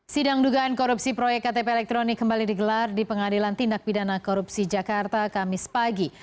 sidang dugaan korupsi proyek ktp elektronik kembali digelar di pengadilan tindak pidana korupsi jakarta kamis pagi